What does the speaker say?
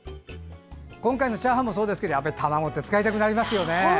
今回のチャーハンもそうですけどやっぱり卵って使いたくなりますよね。